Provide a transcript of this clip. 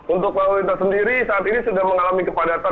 untuk lau lintas sendiri saat ini sudah mengalami kepadanya